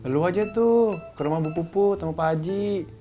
lu aja tuh ke rumah bu pupu sama pak haji